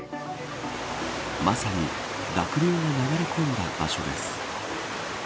まさに濁流が流れ込んだ場所です。